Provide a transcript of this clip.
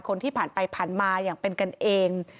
คนที่ผ่านไปผ่านมาอย่างเป็นกันเอง